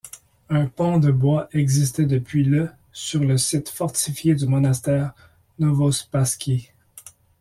Un pont de bois existait depuis le sur le site fortifié du monastère Novospasski.